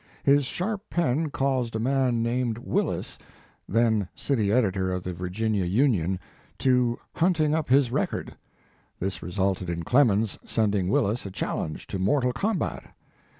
His sharp pen caused a man named Willis, then city editor of the Virginia Union to hunting up his record. This resulted in Clemens sending Willis a challenge to mortal combat.